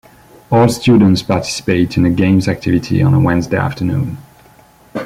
All students participate in a games activity on a Wednesday afternoon.